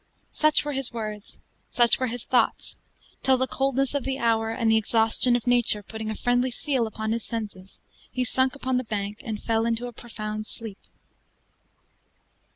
Such were his words, such were his thoughts, till the coldness of the hour and the exhaustion of nature putting a friendly seal upon his senses, he sunk upon the bank, and fell into a profound sleep.